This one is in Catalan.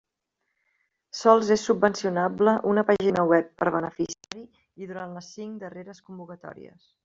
Sols és subvencionable una pàgina web per beneficiari i durant les cinc darreres convocatòries.